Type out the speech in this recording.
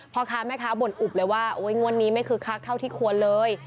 พ่อค้าแม่ค้าบ่นอุบเลยว่างวดนี้ไม่คึกคักเท่าที่ควรเลย